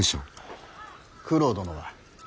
九郎殿は。